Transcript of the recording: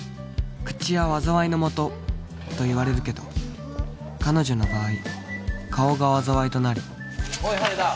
口は災いのもとといわれるけど彼女の場合顔が災いとなり・おい羽田